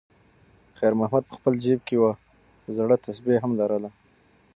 خیر محمد په خپل جېب کې یوه زړه تسبېح هم لرله.